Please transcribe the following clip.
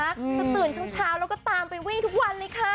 จะตื่นเช้าแล้วก็ตามไปวิ่งทุกวันเลยค่ะ